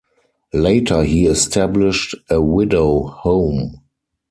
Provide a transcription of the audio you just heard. Later he established a Widow Home.